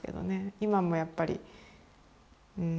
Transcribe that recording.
今もやっぱりうん。